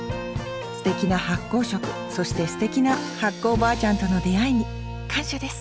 すてきな発酵食そしてすてきな発酵おばあちゃんとの出会いに感謝です